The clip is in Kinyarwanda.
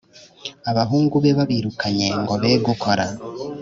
abahungu be babirukanye ngo be gukora